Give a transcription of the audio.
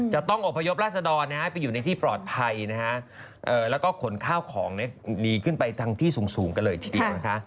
จะต้องอบพยพราษดรไปอยู่ในที่ปลอดภัยนะฮะแล้วก็ขนข้าวของดีขึ้นไปทางที่สูงกันเลยทีเดียวนะคะ